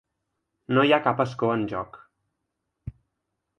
No hi ha cap escó en joc.